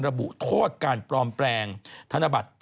ระบุโทษการปลอมแปลงธนบัตร